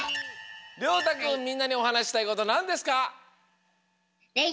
りょうたくんみんなにおはなししたいことなんですか？